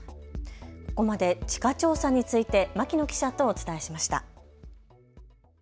ここまで地価調査について牧野記者とお伝えしました。